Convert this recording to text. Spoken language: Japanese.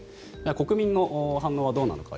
国民の反応はどうなのか。